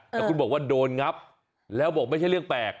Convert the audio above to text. แต่คุณบอกว่าโดนงับแล้วบอกไม่ใช่เรื่องแปลก